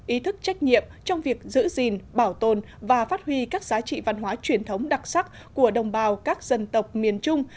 ý thức trách nhiệm trong việc giữ gìn bảo tồn và phát huy các giá trị văn hóa truyền thống đặc sắc của đồng bào các dân tộc miền trung